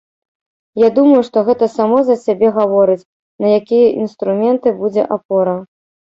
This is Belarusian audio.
Я думаю, што гэта само за сябе гаворыць, на якія інструменты будзе апора.